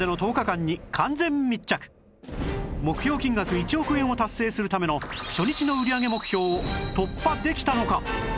目標金額１億円を達成するための初日の売り上げ目標を突破できたのか？